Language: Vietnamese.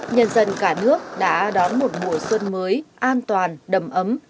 nhân dân cả nước đã đón một mùa xuân mới an toàn đầm ấm